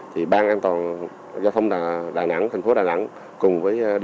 thì bang an toàn giao thông thành phố đà nẵng